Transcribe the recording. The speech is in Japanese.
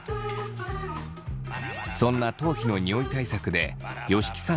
そんな頭皮のニオイ対策で吉木さん